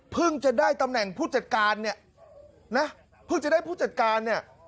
จะได้ตำแหน่งผู้จัดการเนี่ยนะเพิ่งจะได้ผู้จัดการเนี่ย